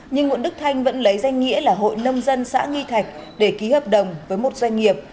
nhưng nguyễn đức thanh vẫn lấy danh nghĩa là hội nông dân xã nghi thạch để ký hợp đồng với một doanh nghiệp